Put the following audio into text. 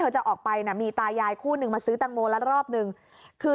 เจ็ดขวบอย่างไรคะเ